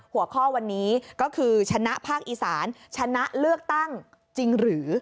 หัวข้อวันนี้ก็คือชนะภาคอีสานชนะเลือกตั้งจริงหรือ